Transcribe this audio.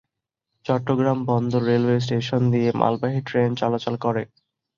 চট্টগ্রাম বন্দর railway station দিয়ে মালবাহী ট্রেন চলাচল করে।